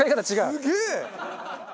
すげえ！